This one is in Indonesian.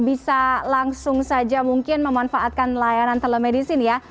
bisa langsung saja mungkin memanfaatkan layanan telemedicine ya